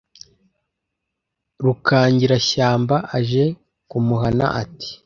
Rukangirashyamba aje kumuhana Ati